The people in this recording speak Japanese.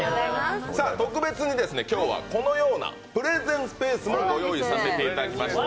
特別に今日はこのようなプレゼンスペースもご用意させていただきました。